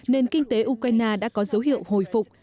nền kinh tế ukraine đã có dấu hiệu hồi phục